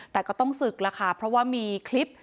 แต่ก็ต้องศึกแล้วค่ะเพราะว่ามีคลิป